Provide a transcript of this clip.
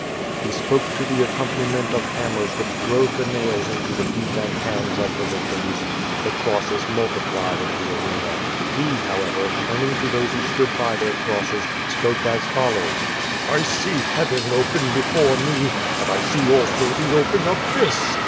He spoke to the accompaniment of hammers which drove the nails into the feet and hands of the victims. Tlie crosses multiplied in the arena. He, however, turning to those who stood by their crosses, spoke as follows: "I see heaven open before me, but I see also the open abyss.